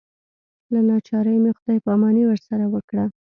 له ناچارۍ مې خدای پاماني ورسره وکړه.